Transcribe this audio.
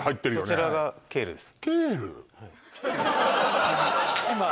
そちらがケールです今